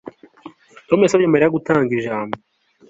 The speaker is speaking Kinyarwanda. Tom yasabye Mariya gutanga ijambo